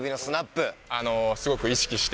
すごく意識して。